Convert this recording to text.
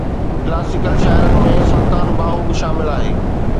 classical شاعرن ۾ سلطان باهو به شامل آهي